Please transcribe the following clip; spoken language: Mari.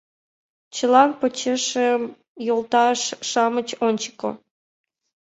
Чылан почешем, йолташ-шамыч, ончыко!!!